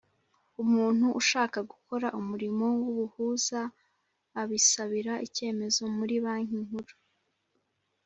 umuntu ushaka gukora umurimo w’ubuhuza abisabira icyemezo muri Banki Nkuru.